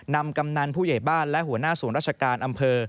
กำนันผู้ใหญ่บ้านและหัวหน้าศูนย์ราชการอำเภอ